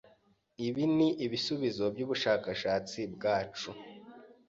Ibi nibisubizo byubushakashatsi bwacu.